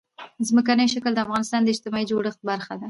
ځمکنی شکل د افغانستان د اجتماعي جوړښت برخه ده.